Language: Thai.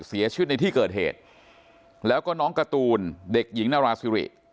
เสียชีวิตในที่เกิดเหตุแล้วก็น้องการ์ตูนเด็กหญิงนาราซิริ